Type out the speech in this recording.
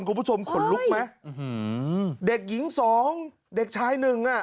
ขนลุกไหมอื้อหือเด็กหญิงสองเด็กชายหนึ่งอ่ะ